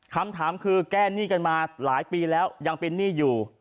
คำถามคือแก้หนี้กันมาหลายปีแล้วยังเป็นหนี้อยู่